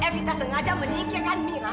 evita sengaja menikahkan mira